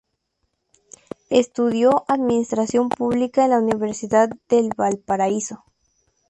Estudió Administración pública en la Universidad de Valparaíso.